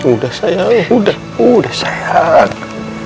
udah sayang udah udah sayang